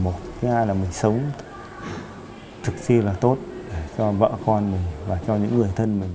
cái hai là mình sống thực sự là tốt cho vợ con và cho những người thân mình